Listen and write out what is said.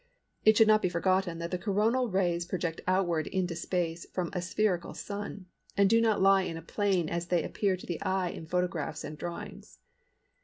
It should not be forgotten that the Coronal rays project outward into space from a spherical Sun and do not lie in a plane as they appear to the eye in photographs and drawings."